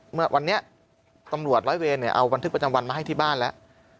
เมื่อวันนี้ตำรวจร้อยเวรเอาบันทึกประจำวันมาให้ที่บ้านแล้ว